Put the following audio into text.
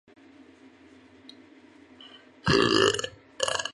本条目介绍的是土耳其的人口数目情况。